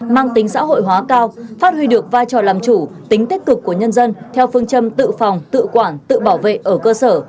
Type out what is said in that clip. mang tính xã hội hóa cao phát huy được vai trò làm chủ tính tích cực của nhân dân theo phương châm tự phòng tự quản tự bảo vệ ở cơ sở